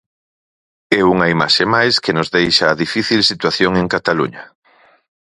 E unha imaxe máis que nos deixa a difícil situación en Cataluña.